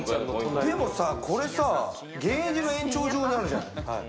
でもさ、これケージの延長上にあるじゃん。